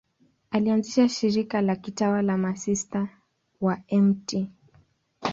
Alianzisha shirika la kitawa la Masista wa Mt.